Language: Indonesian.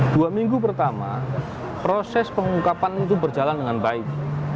dua minggu pertama proses pengungkapan itu berjalan dengan baik